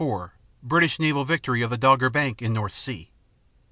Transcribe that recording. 24 British naval victory of Dogger Bank, in North Sea.